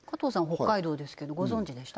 北海道ですけどご存じでした？